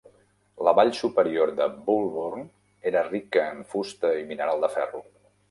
La vall superior de Bulbourne era rica en fusta i mineral de ferro.